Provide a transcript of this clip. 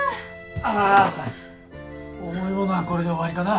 あっ重いものはこれで終わりかな？